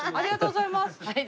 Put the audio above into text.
ありがとうございます！